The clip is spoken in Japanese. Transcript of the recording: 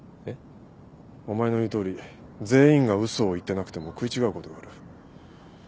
えっ？お前の言うとおり全員が嘘を言ってなくても食い違うことがある。